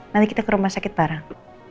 nanti kita ke rumah sakit parang